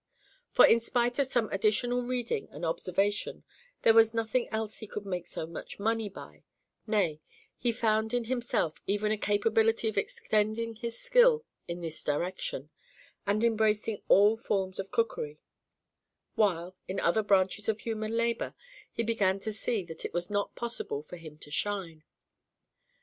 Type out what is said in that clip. For in spite of some additional reading and observation, there was nothing else he could make so much money by; nay, he found in himself even a capability of extending his skill in this direction, and embracing all forms of cookery; while, in other branches of human labour, he began to see that it was not possible for him to shine.